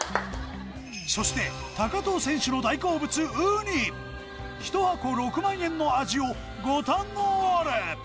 そして藤選手の大好物ウニ１箱６万円の味をご堪能あれ！